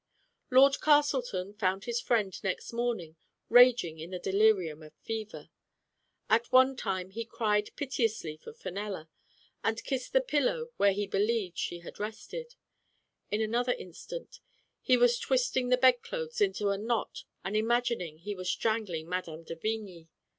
Lord Castleton found his friend, next morning, raging in the delirium of fever. At one time he cried piteously for Fenella, and kissed the pillow where he believed she had rested; in another instant he was twisting the bedclothes into a knot and imag ined he was strangling Mme. de Vigny.